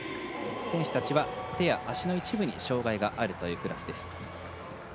選手たちは手や足の一部に障がいがあるというクラスです。